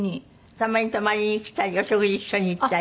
たまに泊まりに来たりお食事一緒に行ったり。